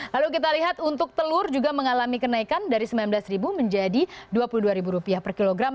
lalu kita lihat untuk telur juga mengalami kenaikan dari rp sembilan belas menjadi rp dua puluh dua per kilogram